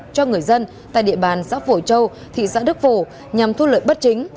cho người dân tại địa bàn xã phổ châu thị xã đức phổ nhằm thu lợi bất chính